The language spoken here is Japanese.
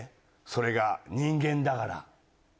それが人間だから。